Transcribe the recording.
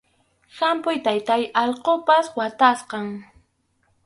¡Hampuy, taytáy, allqupas watasqam!